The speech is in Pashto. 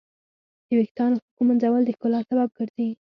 د ویښتانو ښه ږمنځول د ښکلا سبب ګرځي.